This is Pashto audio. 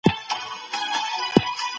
د معلوماتو تجزیه وخت نیسي.